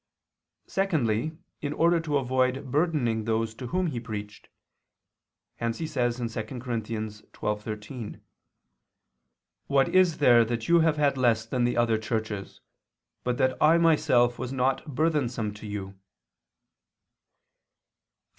Secondly, in order to avoid burdening those to whom he preached; hence he says (2 Cor. 12:13): "What is there that you have had less than the other churches, but that I myself was not burthensome to you?"